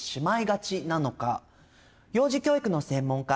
幼児教育の専門家